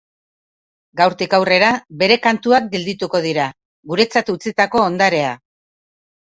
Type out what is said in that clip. Gaurtik aurrera, bere kantuak geldituko dira, guretzat utzitako ondarea.